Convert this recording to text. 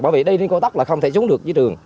bởi vì đi đến cô tóc là không thể xuống được với đường